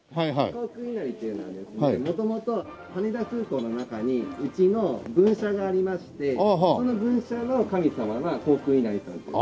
航空稲荷というのはですね元々羽田空港の中にうちの分社がありましてその分社の神様が航空稲荷さんという。